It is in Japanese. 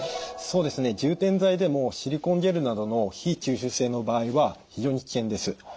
そうですね充填剤でもシリコンゲルなどの非吸収性の場合は非常に危険です。